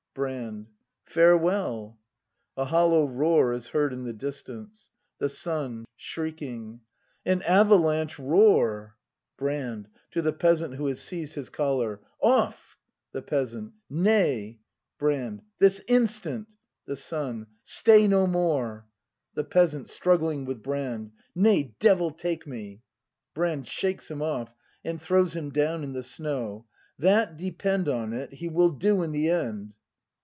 Brand. Farewell ! [A hollow roar is heard in the distance. The Son. [Shrieking.] An avalanche roar! Brand. [To the Peasant who has seized his collar.] Off! The Peasant. Nay! Brand. This instant! The Son. Stay no more! ACT I] BRAND 25 The Peasant. [Struggling with Brand.] Nay, devil take me ! Brand. [Shakes him off and throws him down in the snow.] That, depend On it, he will do in the end!